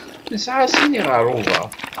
Nesɛa sin n yiɣerruba.